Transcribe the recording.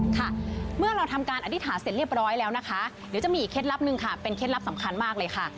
ค่ะเมื่อเราทำการอธิษฐานเสร็จเรียบร้อยแล้วนะคะเดี๋ยวจะมีอีกเคล็ดลับหนึ่งค่ะเป็นเคล็ดลับสำคัญมากเลยค่ะ